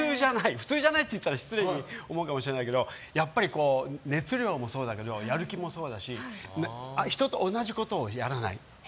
普通じゃないって言ったら失礼に思うかもしれないけどやっぱり熱量もそうだけどやる気もそうだし人と同じことをやらない。